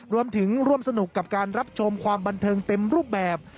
รวมถึงร่วมสนุกกับการรับชมความบันเทิงเต็มรูปแบบ